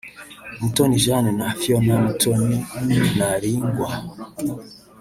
Mutoni Jane na Fiona Mutoni Naringwa